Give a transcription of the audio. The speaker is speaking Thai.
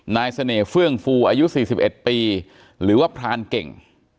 เสน่ห์เฟื่องฟูอายุ๔๑ปีหรือว่าพรานเก่ง